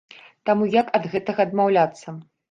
Таму як ад гэтага адмаўляцца?